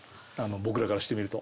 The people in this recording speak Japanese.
僕らからしてみると。